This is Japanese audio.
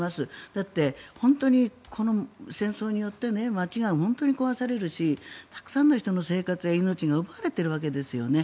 だって、本当にこの戦争によって街が本当に壊されるしたくさんの人の生活や命が奪われてるわけですよね。